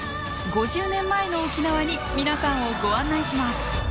５０年前の沖縄に皆さんをご案内します。